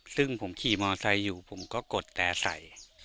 ซึ่งผมขี่มอไซค์อยู่ผมก็กดแต่ใส่